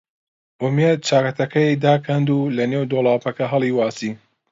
ئومێد چاکەتەکەی داکەند و لەنێو دۆڵابەکە هەڵی واسی.